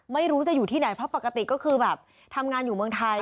ไม่รู้จะอยู่ที่ไหนเพราะปกติก็คือแบบทำงานอยู่เมืองไทย